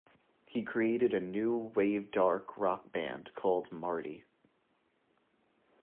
He created a new wave-dark rock band called "Marti".